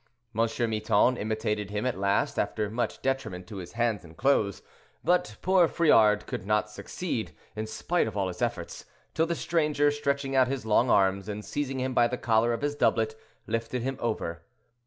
M. Miton imitated him at last after much detriment to his hands and clothes; but poor Friard could not succeed, in spite of all his efforts, till the stranger, stretching out his long arms, and seizing him by the collar of his doublet, lifted him over.